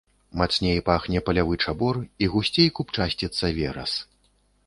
Мацней пахне палявы чабор і гусцей купчасціцца верас.